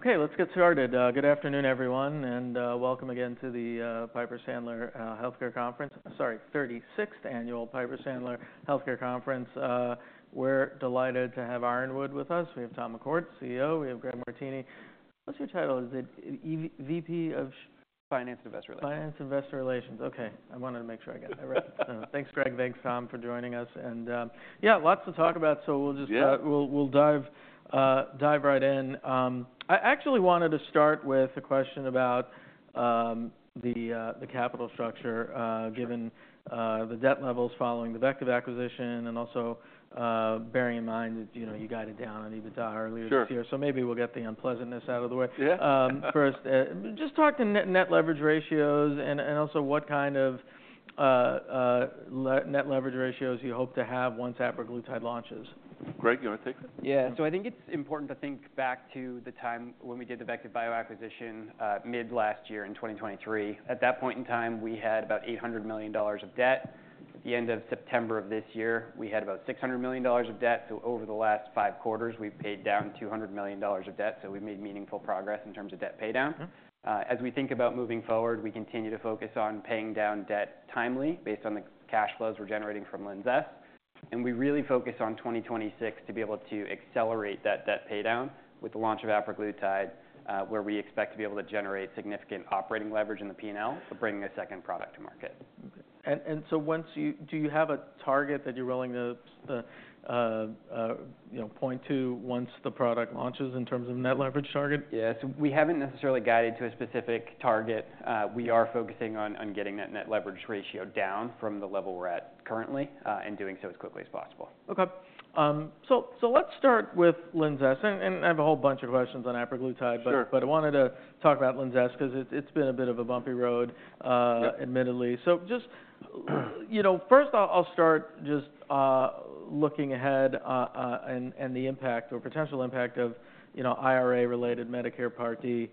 Okay, let's get started. Good afternoon, everyone, and welcome again to the Piper Sandler Healthcare Conference. Sorry, 36th Annual Piper Sandler Healthcare Conference. We're delighted to have Ironwood with us. We have Tom McCourt, CEO. We have Greg Martini. What's your title? Is it VP of Finance and Investor Relations? Finance and Investor Relations. Okay. I wanted to make sure I got that right. Thanks, Greg. Thanks, Tom, for joining us, and yeah, lots to talk about, so we'll dive right in. I actually wanted to start with a question about the capital structure, given the debt levels following the VectivBio acquisition, and also bearing in mind you guided down on EBITDA earlier this year, so maybe we'll get the unpleasantness out of the way. First, just talk to net leverage ratios, and also what kind of net leverage ratios you hope to have once apraglutide launches. Greg, you want to take that? Yeah. So I think it's important to think back to the time when we did the VectivBio acquisition mid-last year in 2023. At that point in time, we had about $800 million of debt. At the end of September of this year, we had about $600 million of debt. So over the last five quarters, we've paid down $200 million of debt. So we've made meaningful progress in terms of debt paydown. As we think about moving forward, we continue to focus on paying down debt timely based on the cash flows we're generating from LINZESS. And we really focus on 2026 to be able to accelerate that debt paydown with the launch of apraglutide, where we expect to be able to generate significant operating leverage in the P&L for bringing a second product to market. Do you have a target that you're willing to point to once the product launches in terms of net leverage target? Yes. We haven't necessarily guided to a specific target. We are focusing on getting that net leverage ratio down from the level we're at currently and doing so as quickly as possible. Okay. Let's start with LINZESS. I have a whole bunch of questions on apraglutide, but I wanted to talk about LINZESS because it's been a bit of a bumpy road, admittedly. First, I'll start just looking ahead and the impact or potential impact of IRA-related Medicare Part D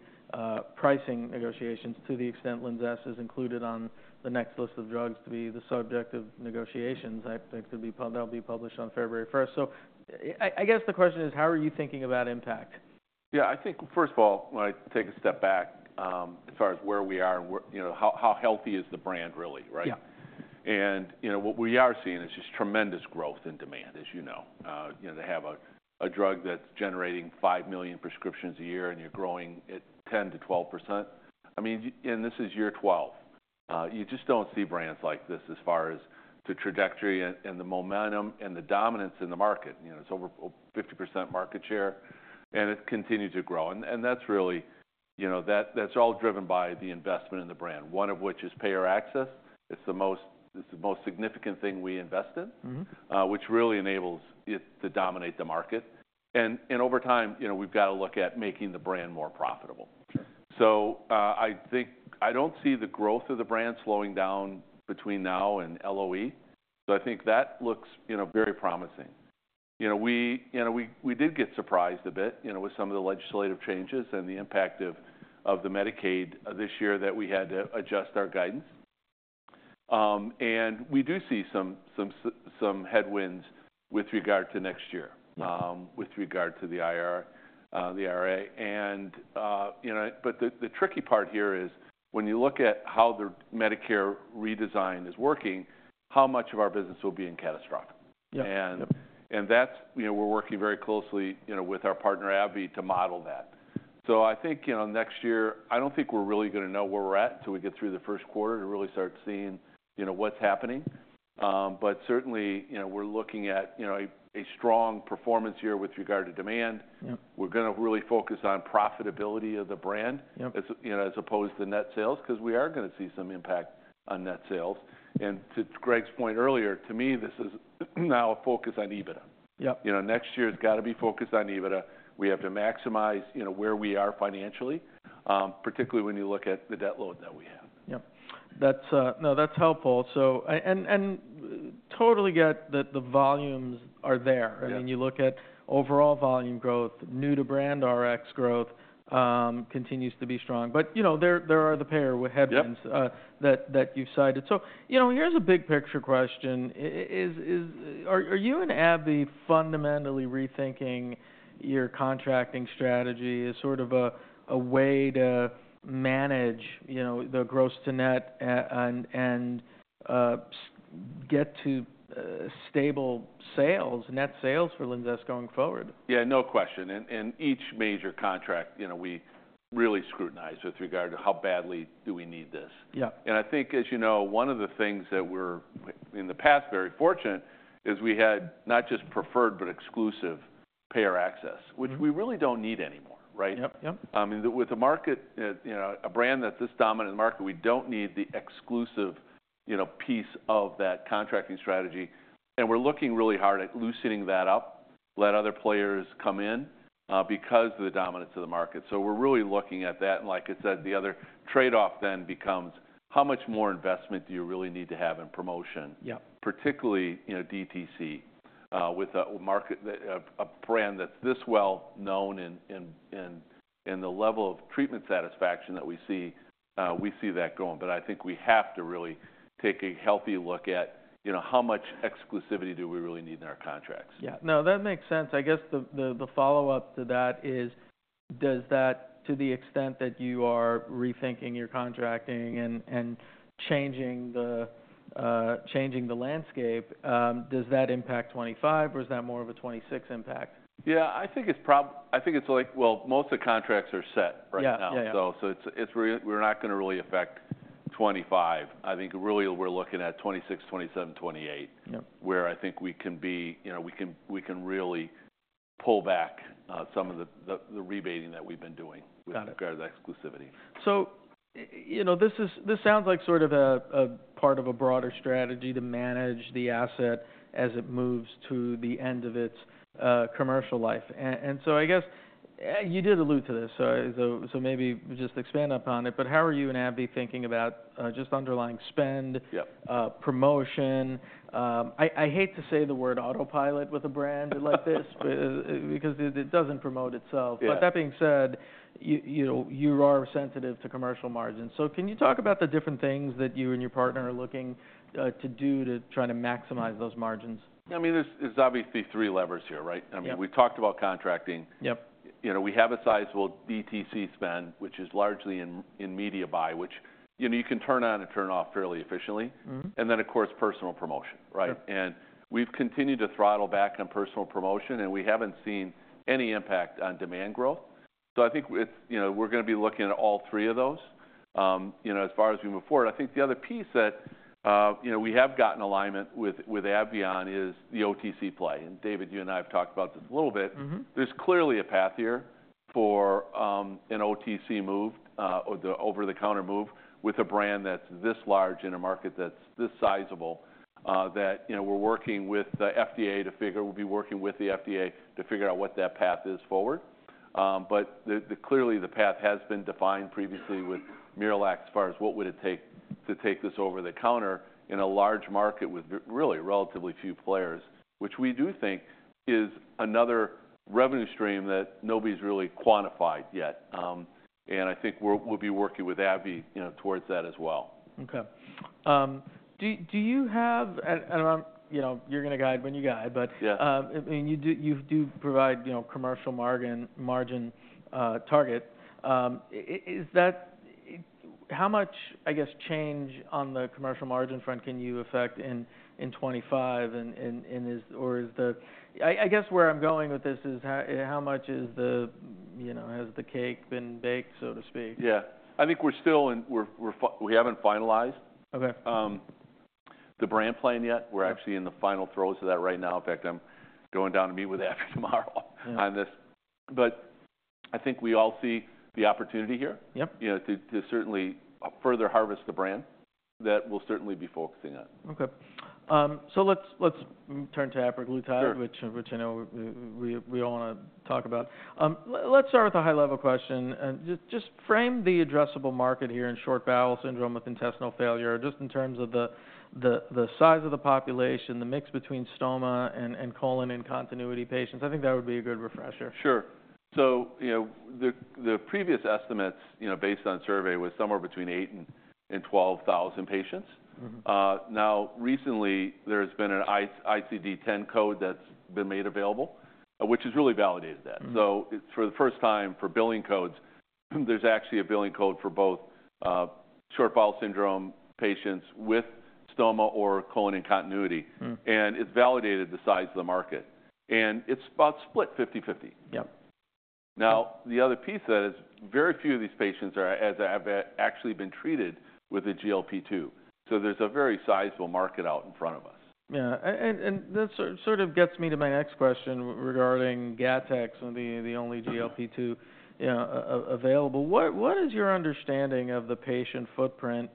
pricing negotiations to the extent LINZESS is included on the next list of drugs to be the subject of negotiations. I think that'll be published on February 1st. I guess the question is, how are you thinking about impact? Yeah. I think, first of all, when I take a step back as far as where we are and how healthy is the brand really, right? What we are seeing is just tremendous growth in demand, as you know. To have a drug that's generating 5 million prescriptions a year and you're growing at 10%-12%, I mean, this is year 12. You just don't see brands like this as far as the trajectory and the momentum and the dominance in the market. It's over 50% market share, and it continues to grow. That's all driven by the investment in the brand, one of which is payer access. It's the most significant thing we invest in, which really enables it to dominate the market. Over time, we've got to look at making the brand more profitable. So I don't see the growth of the brand slowing down between now and LOE. So I think that looks very promising. We did get surprised a bit with some of the legislative changes and the impact of the Medicaid this year that we had to adjust our guidance. And we do see some headwinds with regard to next year, with regard to the IRA. But the tricky part here is when you look at how the Medicare redesign is working, how much of our business will be in catastrophic. And we're working very closely with our partner, AbbVie, to model that. So I think next year, I don't think we're really going to know where we're at until we get through the first quarter to really start seeing what's happening. But certainly, we're looking at a strong performance year with regard to demand. We're going to really focus on profitability of the brand as opposed to net sales because we are going to see some impact on net sales. And to Greg's point earlier, to me, this is now a focus on EBITDA. Next year has got to be focused on EBITDA. We have to maximize where we are financially, particularly when you look at the debt load that we have. Yeah. No, that's helpful. And totally get that the volumes are there. I mean, you look at overall volume growth, new-to-brand Rx growth continues to be strong. But there are the payer headwinds that you've cited. So here's a big picture question. Are you and AbbVie fundamentally rethinking your contracting strategy as sort of a way to manage the gross to net and get to stable sales, net sales for LINZESS going forward? Yeah, no question. In each major contract, we really scrutinize with regard to how badly do we need this. And I think, as you know, one of the things that we're in the past very fortunate is we had not just preferred, but exclusive payer access, which we really don't need anymore, right? I mean, with a brand that's this dominant market, we don't need the exclusive piece of that contracting strategy. And we're looking really hard at loosening that up, let other players come in because of the dominance of the market. So we're really looking at that. And like I said, the other trade-off then becomes how much more investment do you really need to have in promotion, particularly DTC with a brand that's this well known and the level of treatment satisfaction that we see, we see that going. But I think we have to really take a healthy look at how much exclusivity do we really need in our contracts. Yeah. No, that makes sense. I guess the follow-up to that is, does that, to the extent that you are rethinking your contracting and changing the landscape, does that impact 2025, or is that more of a 2026 impact? Yeah. I think it's like, well, most of the contracts are set right now. So we're not going to really affect 2025. I think really we're looking at 2026, 2027, 2028, where I think we can really pull back some of the rebating that we've been doing with regard to exclusivity. So this sounds like sort of a part of a broader strategy to manage the asset as it moves to the end of its commercial life. And so I guess you did allude to this, so maybe just expand upon it. But how are you and AbbVie thinking about just underlying spend, promotion? I hate to say the word autopilot with a brand like this because it doesn't promote itself. But that being said, you are sensitive to commercial margins. So can you talk about the different things that you and your partner are looking to do to try to maximize those margins? I mean, there's obviously three levers here, right? I mean, we talked about contracting. We have a sizable DTC spend, which is largely in media buy, which you can turn on and turn off fairly efficiently. And then, of course, personal promotion, right? And we've continued to throttle back on personal promotion, and we haven't seen any impact on demand growth. So I think we're going to be looking at all three of those as far as we move forward. I think the other piece that we have gotten alignment with AbbVie on is the OTC play. And David, you and I have talked about this a little bit. There's clearly a path here for an OTC move or the over-the-counter move with a brand that's this large in a market that's this sizable that we're working with the FDA to figure. We'll be working with the FDA to figure out what that path is forward. But clearly, the path has been defined previously with MiraLAX as far as what would it take to take this over the counter in a large market with really relatively few players, which we do think is another revenue stream that nobody's really quantified yet. I think we'll be working with AbbVie towards that as well. Okay. Do you have, and you're going to guide when you guide, but you do provide commercial margin target. How much, I guess, change on the commercial margin front can you affect in 2025, or is the, I guess where I'm going with this is how much has the cake been baked, so to speak? Yeah. I think we haven't finalized the brand plan yet. We're actually in the final throes of that right now. In fact, I'm going down to meet with AbbVie tomorrow on this. But I think we all see the opportunity here to certainly further harvest the brand that we'll certainly be focusing on. Okay. So let's turn to apraglutide, which I know we all want to talk about. Let's start with a high-level question. Just frame the addressable market here in short bowel syndrome with intestinal failure, just in terms of the size of the population, the mix between stoma and colon-in-continuity patients. I think that would be a good refresher. Sure. So the previous estimates based on survey was somewhere between 8,000 and 12,000 patients. Now, recently, there has been an ICD-10 code that's been made available, which has really validated that. So for the first time, for billing codes, there's actually a billing code for both short bowel syndrome patients with stoma or colon-in-continuity. And it's validated the size of the market. And it's about split 50/50. Now, the other piece that is very few of these patients have actually been treated with a GLP-2. So there's a very sizable market out in front of us. Yeah, and that sort of gets me to my next question regarding Gattex, the only GLP-2 available. What is your understanding of the patient footprint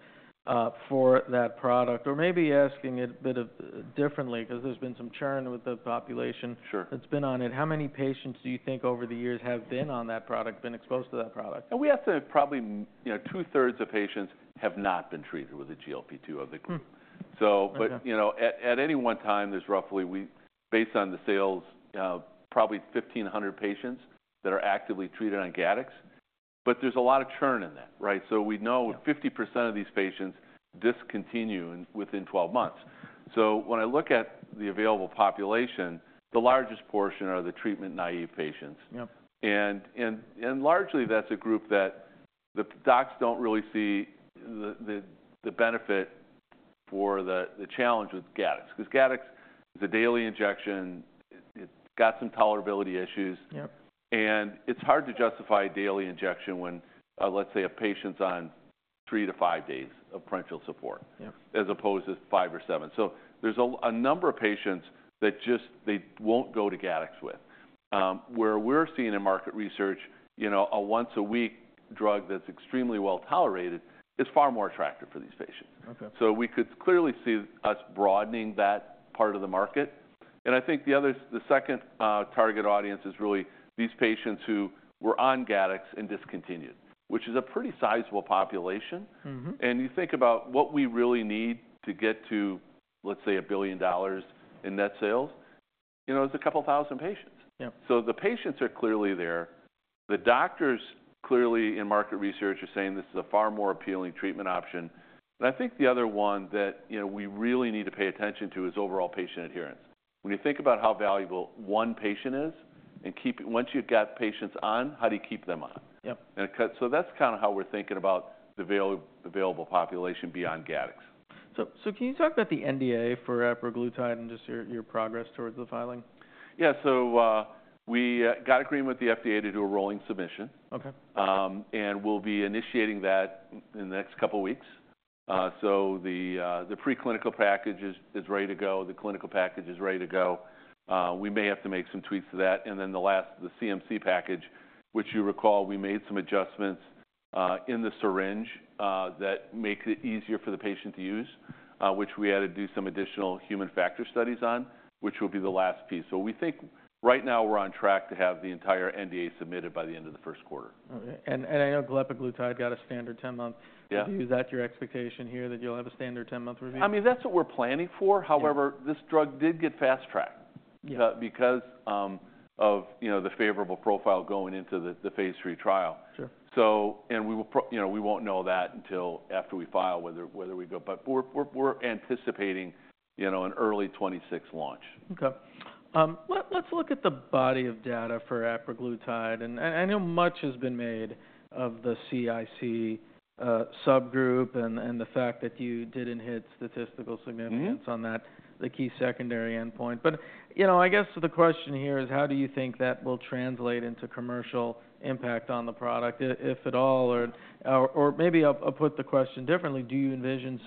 for that product? Or maybe asking it a bit differently because there's been some churn with the population that's been on it. How many patients do you think over the years have been on that product, been exposed to that product? We estimate probably two-thirds of patients have not been treated with a GLP-2 of the group. But at any one time, there's roughly, based on the sales, probably 1,500 patients that are actively treated on Gattex. But there's a lot of churn in that, right? So we know 50% of these patients discontinue within 12 months. So when I look at the available population, the largest portion are the treatment-naive patients. And largely, that's a group that the docs don't really see the benefit for the challenge with Gattex. Because Gattex is a daily injection. It's got some tolerability issues. And it's hard to justify a daily injection when, let's say, a patient's on three to five days of parenteral support as opposed to five or seven. So there's a number of patients that just they won't go to Gattex with. Where we're seeing in market research, a once-a-week drug that's extremely well tolerated is far more attractive for these patients. So we could clearly see us broadening that part of the market. And I think the second target audience is really these patients who were on Gattex and discontinued, which is a pretty sizable population. And you think about what we really need to get to, let's say, $1 billion in net sales, it's a couple thousand patients. So the patients are clearly there. The doctors clearly in market research are saying this is a far more appealing treatment option. And I think the other one that we really need to pay attention to is overall patient adherence. When you think about how valuable one patient is, and once you've got patients on, how do you keep them on? That's kind of how we're thinking about the available population beyond Gattex. Can you talk about the NDA for apraglutide and just your progress towards the filing? Yeah. So we got agreement with the FDA to do a rolling submission. And we'll be initiating that in the next couple of weeks. So the preclinical package is ready to go. The clinical package is ready to go. We may have to make some tweaks to that. And then the CMC package, which you recall we made some adjustments in the syringe that make it easier for the patient to use, which we had to do some additional human factors studies on, which will be the last piece. So we think right now we're on track to have the entire NDA submitted by the end of the first quarter. I know glepaglutide got a standard 10-month review. Is that your expectation here that you'll have a standard 10-month review? I mean, that's what we're planning for. However, this drug did get fast-tracked because of the favorable profile going into the phase III trial. And we won't know that until after we file whether we go. But we're anticipating an early 2026 launch. Okay. Let's look at the body of data for apraglutide, and I know much has been made of the CIC subgroup and the fact that you didn't hit statistical significance on that, the key secondary endpoint, but I guess the question here is, how do you think that will translate into commercial impact on the product, if at all, or maybe I'll put the question differently. Do you envision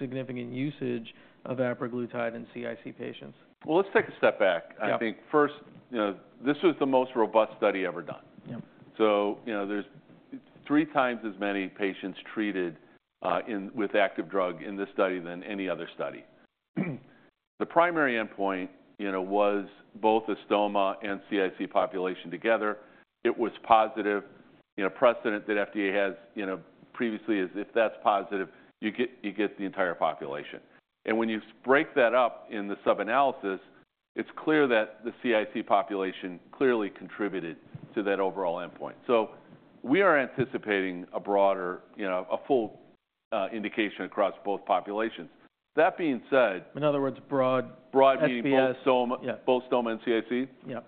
significant usage of apraglutide in CIC patients? Let's take a step back. I think first, this was the most robust study ever done. There's three times as many patients treated with active drug in this study than any other study. The primary endpoint was both a stoma and CIC population together. It was positive. Precedent that FDA has previously is if that's positive, you get the entire population. When you break that up in the sub-analysis, it's clear that the CIC population clearly contributed to that overall endpoint. We are anticipating a broader, a full indication across both populations. That being said. In other words, broad. Broad meaning both stoma and CIC? Yeah.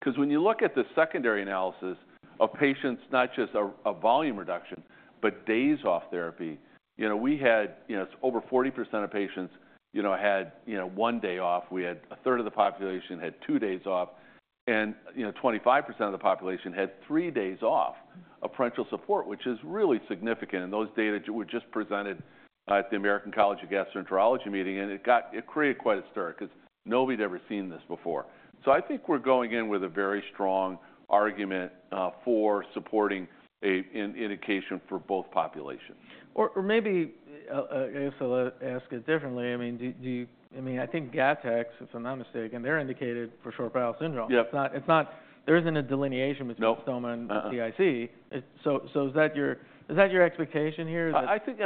Because when you look at the secondary analysis of patients, not just a volume reduction, but days off therapy, we had over 40% of patients had one day off. We had a third of the population had two days off, and 25% of the population had three days off of parenteral support, which is really significant, and those data were just presented at the American College of Gastroenterology meeting, and it created quite a stir because nobody's ever seen this before, so I think we're going in with a very strong argument for supporting an indication for both populations. Or maybe I guess I'll ask it differently. I mean, I think Gattex, if I'm not mistaken, they're indicated for short bowel syndrome. There isn't a delineation between stoma and CIC. So is that your expectation here? And I think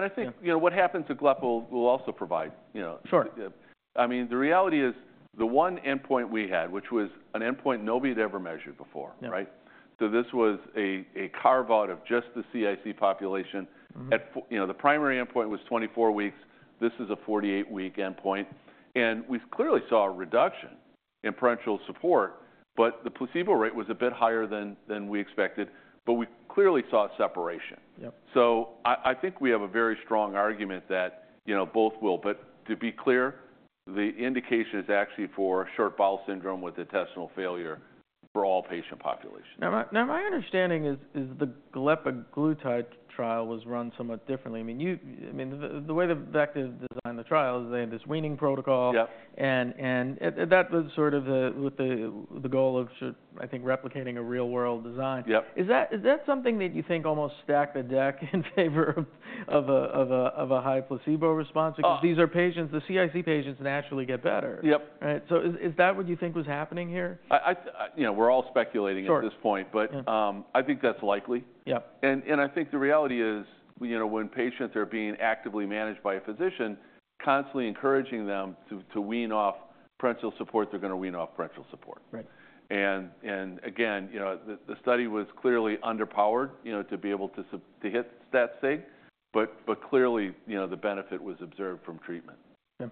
what happens at glepaglutide will also provide. I mean, the reality is the one endpoint we had, which was an endpoint nobody had ever measured before, right? So this was a carve-out of just the CIC population. The primary endpoint was 24 weeks. This is a 48-week endpoint. And we clearly saw a reduction in parenteral support, but the placebo rate was a bit higher than we expected. But we clearly saw separation. So I think we have a very strong argument that both will. But to be clear, the indication is actually for short bowel syndrome with intestinal failure for all patient populations. Now, my understanding is the glepaglutide trial was run somewhat differently. I mean, the way the VectivBio designed the trial is they had this weaning protocol, and that was sort of with the goal of, I think, replicating a real-world design. Is that something that you think almost stacked the deck in favor of a high placebo response? Because these are patients, the CIC patients naturally get better. Right? So is that what you think was happening here? We're all speculating at this point, but I think that's likely. And I think the reality is when patients are being actively managed by a physician, constantly encouraging them to wean off parenteral support, they're going to wean off parenteral support. And again, the study was clearly underpowered to be able to hit that state. But clearly, the benefit was observed from treatment. Yeah.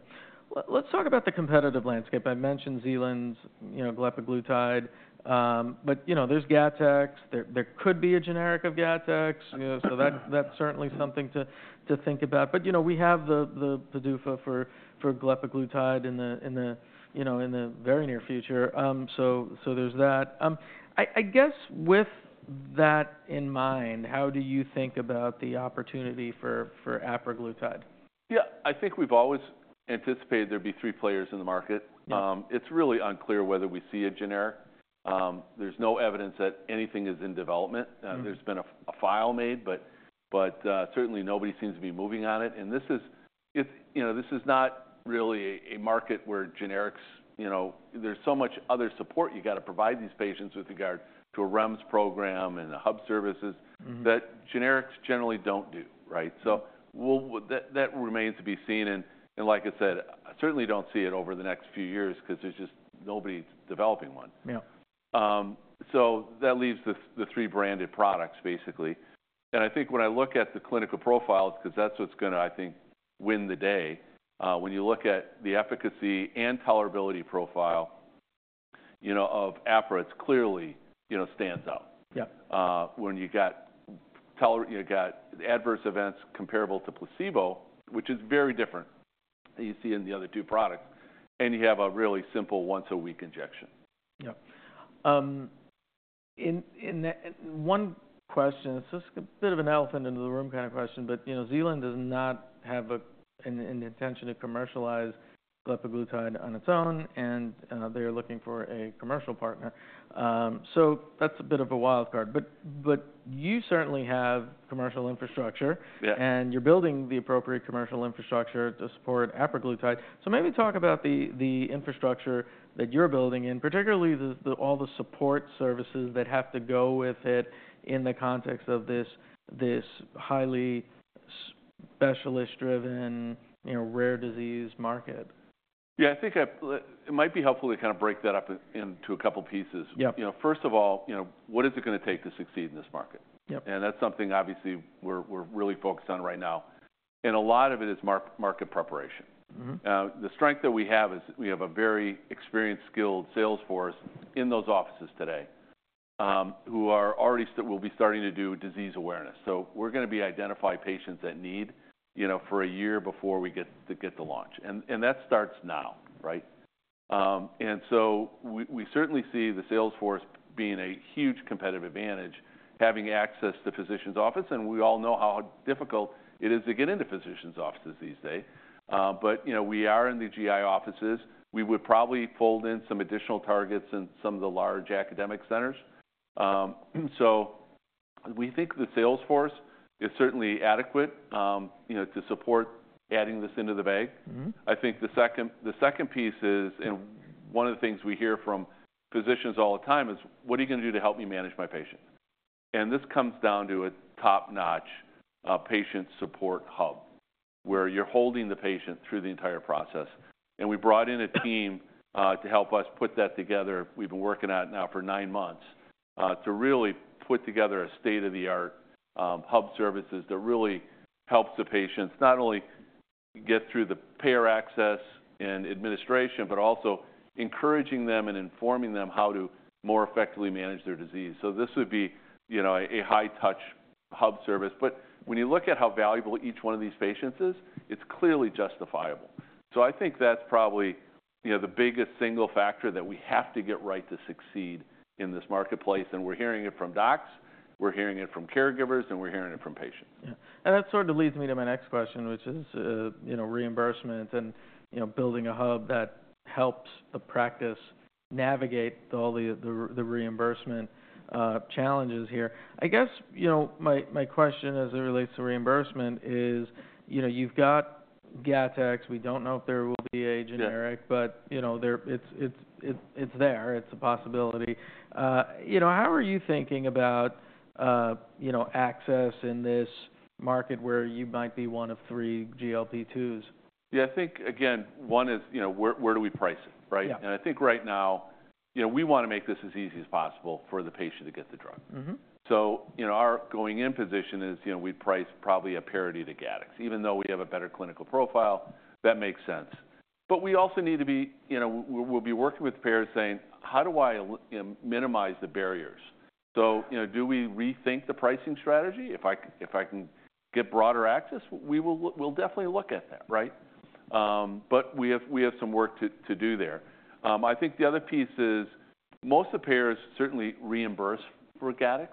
Let's talk about the competitive landscape. I mentioned Zealand's glepaglutide. But there's Gattex. There could be a generic of Gattex. So that's certainly something to think about. But we have the PDUFA for glepaglutide in the very near future. So there's that. I guess with that in mind, how do you think about the opportunity for apraglutide? Yeah. I think we've always anticipated there'd be three players in the market. It's really unclear whether we see a generic. There's no evidence that anything is in development. There's been a file made, but certainly nobody seems to be moving on it. And this is not really a market where generics, there's so much other support you got to provide these patients with regard to a REMS program and the hub services that generics generally don't do, right? So that remains to be seen. And like I said, I certainly don't see it over the next few years because there's just nobody developing one. So that leaves the three branded products basically. And I think when I look at the clinical profiles, because that's what's going to, I think, win the day, when you look at the efficacy and tolerability profile of apraglutide, it clearly stands out. When you got adverse events comparable to placebo, which is very different than you see in the other two products, and you have a really simple once-a-week injection. Yeah. One question, it's just a bit of an elephant in the room kind of question, but Zealand does not have an intention to commercialize glepaglutide on its own, and they're looking for a commercial partner. So that's a bit of a wild card. But you certainly have commercial infrastructure, and you're building the appropriate commercial infrastructure to support apraglutide. So maybe talk about the infrastructure that you're building in, particularly all the support services that have to go with it in the context of this highly specialist-driven rare disease market. Yeah. I think it might be helpful to kind of break that up into a couple of pieces. First of all, what is it going to take to succeed in this market? And that's something obviously we're really focused on right now. And a lot of it is market preparation. The strength that we have is we have a very experienced, skilled sales force in those offices today who will be starting to do disease awareness. So we're going to be identifying patients that need for a year before we get to launch. And that starts now, right? And so we certainly see the sales force being a huge competitive advantage having access to physicians' office. And we all know how difficult it is to get into physicians' offices these days. But we are in the GI offices. We would probably fold in some additional targets in some of the large academic centers. So we think the sales force is certainly adequate to support adding this into the bag. I think the second piece is, and one of the things we hear from physicians all the time is, "What are you going to do to help me manage my patient?" And this comes down to a top-notch patient support hub where you're holding the patient through the entire process. And we brought in a team to help us put that together. We've been working on it now for nine months to really put together a state-of-the-art hub services that really helps the patients not only get through the payer access and administration, but also encouraging them and informing them how to more effectively manage their disease. So this would be a high-touch hub service. But when you look at how valuable each one of these patients is, it's clearly justifiable. So I think that's probably the biggest single factor that we have to get right to succeed in this marketplace. And we're hearing it from docs. We're hearing it from caregivers, and we're hearing it from patients. Yeah. And that sort of leads me to my next question, which is reimbursement and building a hub that helps the practice navigate all the reimbursement challenges here. I guess my question as it relates to reimbursement is you've got Gattex. We don't know if there will be a generic, but it's there. It's a possibility. How are you thinking about access in this market where you might be one of three GLP-2s? Yeah. I think, again, one is where do we price it, right? And I think right now we want to make this as easy as possible for the patient to get the drug. So our going-in position is we'd price probably a parity to Gattex, even though we have a better clinical profile. That makes sense. But we also need to be. We'll be working with payers saying, "How do I minimize the barriers?" So do we rethink the pricing strategy? If I can get broader access, we'll definitely look at that, right? But we have some work to do there. I think the other piece is most of the payers certainly reimburse for Gattex,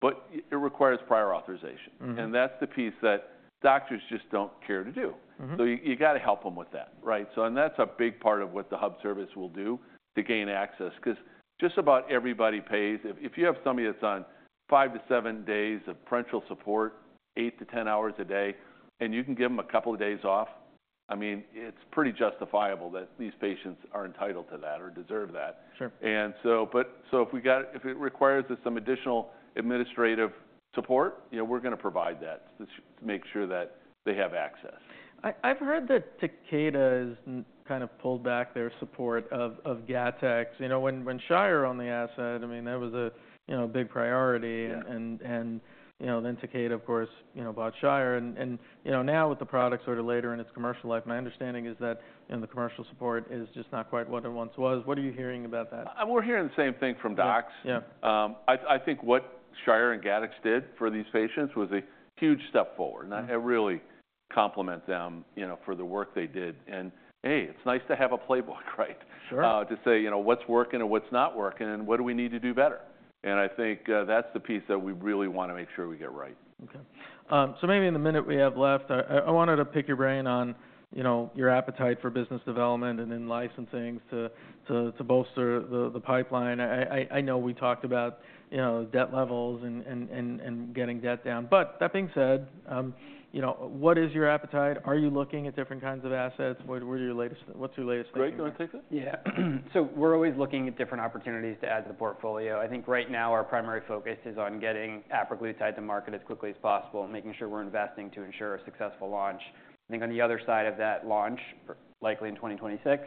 but it requires prior authorization. And that's the piece that doctors just don't care to do. So you got to help them with that, right? And that's a big part of what the hub service will do to gain access because just about everybody pays. If you have somebody that's on five to seven days of parenteral support, eight to ten hours a day, and you can give them a couple of days off, I mean, it's pretty justifiable that these patients are entitled to that or deserve that. And so if it requires some additional administrative support, we're going to provide that to make sure that they have access. I've heard that Takeda has kind of pulled back their support of Gattex. When Shire owned the asset, I mean, that was a big priority. And then Takeda, of course, bought Shire. And now with the product sort of later in its commercial life, my understanding is that the commercial support is just not quite what it once was. What are you hearing about that? We're hearing the same thing from docs. I think what Shire and Gattex did for these patients was a huge step forward. And I really compliment them for the work they did. And hey, it's nice to have a playbook, right, to say what's working and what's not working and what do we need to do better. And I think that's the piece that we really want to make sure we get right. Okay. So maybe in the minute we have left, I wanted to pick your brain on your appetite for business development and then licensing to bolster the pipeline. I know we talked about debt levels and getting debt down. But that being said, what is your appetite? Are you looking at different kinds of assets? What's your latest thinking? Great. Do you want to take that? Yeah. We're always looking at different opportunities to add to the portfolio. I think right now our primary focus is on getting apraglutide to market as quickly as possible and making sure we're investing to ensure a successful launch. I think on the other side of that launch, likely in 2026,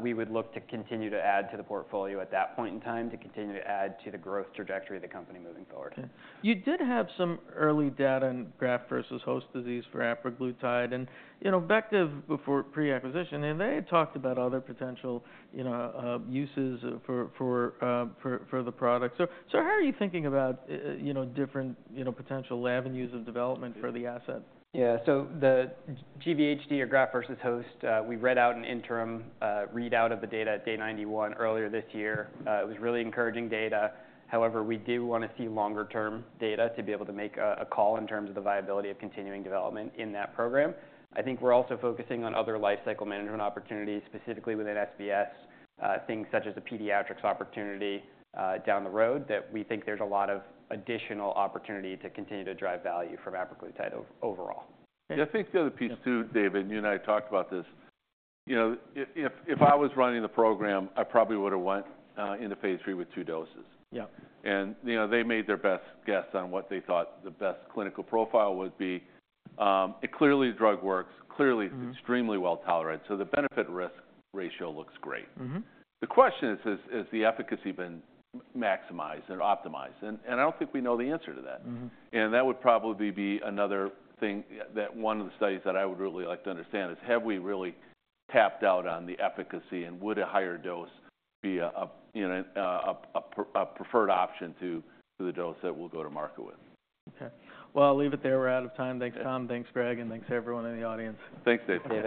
we would look to continue to add to the portfolio at that point in time to continue to add to the growth trajectory of the company moving forward. You did have some early data in graft-versus-host disease for apraglutide and VectivBio before pre-acquisition. And they had talked about other potential uses for the product. So how are you thinking about different potential avenues of development for the asset? Yeah, so the GvHD or graft-versus-host, we read out an interim readout of the data at day 91 earlier this year. It was really encouraging data. However, we do want to see longer-term data to be able to make a call in terms of the viability of continuing development in that program. I think we're also focusing on other lifecycle management opportunities, specifically within SBS, things such as a pediatrics opportunity down the road that we think there's a lot of additional opportunity to continue to drive value from apraglutide overall. Yeah. I think the other piece too, David, and you and I talked about this. If I was running the program, I probably would have went into phase III with two doses. And they made their best guess on what they thought the best clinical profile would be. Clearly, the drug works. Clearly, it's extremely well tolerated. So the benefit-risk ratio looks great. The question is, has the efficacy been maximized and optimized? And I don't think we know the answer to that. And that would probably be another thing that one of the studies that I would really like to understand is have we really tapped out on the efficacy and would a higher dose be a preferred option to the dose that we'll go to market with? Okay, well, I'll leave it there. We're out of time. Thanks, Tom. Thanks, Greg, and thanks to everyone in the audience. Thanks, David.